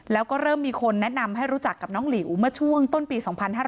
แล้วก็เริ่มมีคนแนะนำให้รู้จักกับน้องหลิวเมื่อช่วงต้นปี๒๕๕๙